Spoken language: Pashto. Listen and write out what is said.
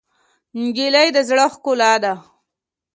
نجلۍ د زړه ښکلا ده.